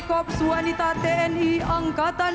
lulusan akademi militer tahun dua ribu empat